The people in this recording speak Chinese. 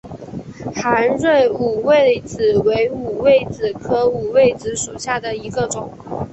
合蕊五味子为五味子科五味子属下的一个种。